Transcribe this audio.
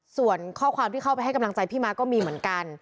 ส่วนข้อความที่เข้าไปให้กำลังใจพี่ม้าก็มีเหมือนกัน